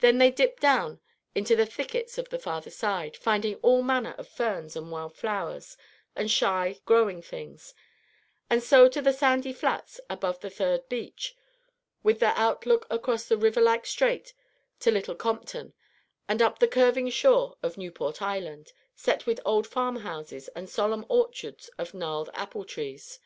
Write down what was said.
Then they dipped down into the thickets of the farther side, finding all manner of ferns and wild flowers and shy growing things, and so to the sandy flats above the third beach, with their outlook across the river like strait to Little Compton and up the curving shore of Newport Island, set with old farm houses and solemn orchards of gnarled apple trees.